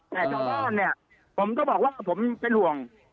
แต่ชาวบ้านเนี่ยผมก็บอกว่าผมเป็นห่วง